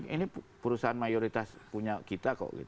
ini perusahaan mayoritas punya kita kok